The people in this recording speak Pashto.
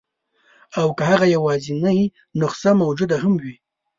او که هغه یوازنۍ نسخه موجوده هم وي.